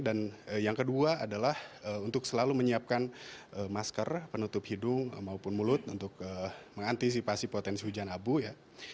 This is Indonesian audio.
dan yang kedua adalah untuk selalu menyiapkan masker penutup hidung maupun mulut untuk mengantisipasi potensi hujan abu ya